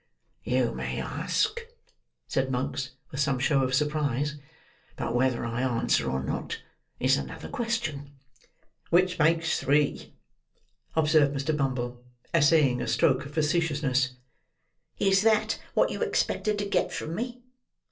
"You may ask," said Monks, with some show of surprise; "but whether I answer or not is another question." "—Which makes three," observed Mr. Bumble, essaying a stroke of facetiousness. "Is that what you expected to get from me?"